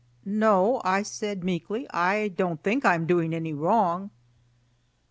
"No," I said meekly, "I don't think I'm doing any wrong."